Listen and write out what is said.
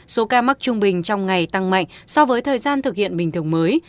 số ca mắc trung bình trong ngày tăng mạnh so với thời gian thực hiện bình thường mới